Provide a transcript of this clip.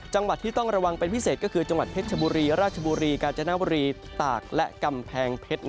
จังหวัดที่ต้องระวังเป็นพิเศษก็คือจังหวัดเพชรชบุรีราชบุรีกาญจนบุรีตากและกำแพงเพชร